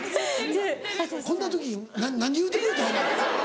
こんな時に何言うてくれたお前。